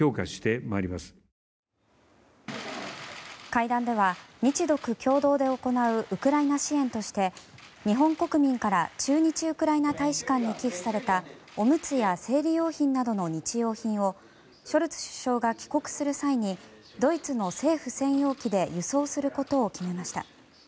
会談では日独共同で行うウクライナ支援として日本国民から駐日ウクライナ大使館に寄付されたおむつや生理用品などの日用品をショルツ首相が帰国する際にドイツの政府専用機で輸送することを決めました。